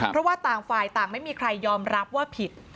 เพราะว่าต่างฝ่ายต่างไม่มีใครยอมรับว่าผิด